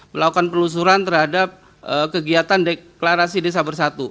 melakukan penelusuran terhadap kegiatan deklarasi desa bersatu